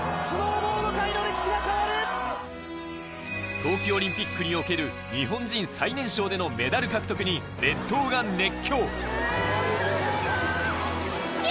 冬季オリンピックにおける日本人最年少でのメダル獲得に列島が熱狂。